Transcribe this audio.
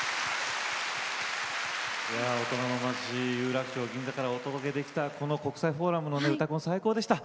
大人の街、有楽町、銀座からお届けできた国際フォーラムの「うたコン」は最高でした。